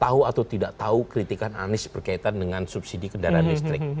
tahu atau tidak tahu kritikan anies berkaitan dengan subsidi kendaraan listrik